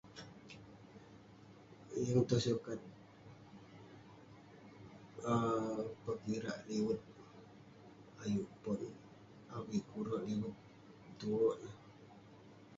Yeng tuah sukat um pekirak liwet ayuk pon, avik kure'rk liwet tuerk neh..